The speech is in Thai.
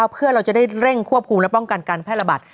เพื่อเราจะได้เร่งควบคุมและป้องกันการแพร่ระบาด